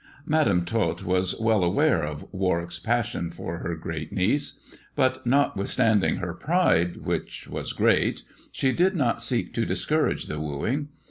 Madam Tot was well aware of Warwick's passion for her great niece, but notwithstanding her pride, which was great, she did not seek to discourage the wooing.